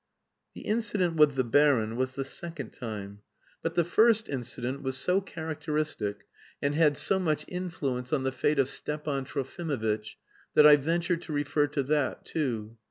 The incident with the baron was the second time, but the first incident was so characteristic and had so much influence on the fate of Stepan Trofimovitch that I venture to refer to that too.